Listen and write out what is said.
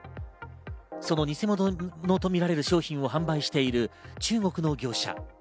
そのニセモノとみられる商品を販売している中国の業者。